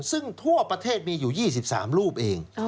ซึ่งทั่วประเทศมีอยู่๒๓รูปเอง